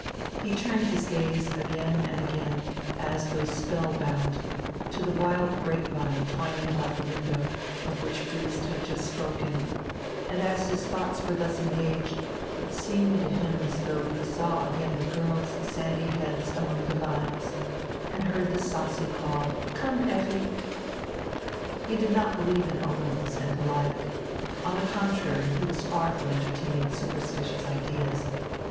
He turned his gaze again and again, as though spellbound, to the wild grape vine twining about the window, of which Briest had just spoken, and as his thoughts were thus engaged, it seemed to him as though he saw again the girls' sandy heads among the vines and heard the saucy call, "Come, Effi." He did not believe in omens and the like; on the con trary, he was far from entertaining superstitious ideas.